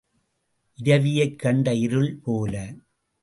இரவியைக் கண்ட இருள் போல.